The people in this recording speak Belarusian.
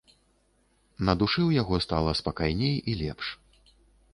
На душы ў яго стала спакайней і лепш.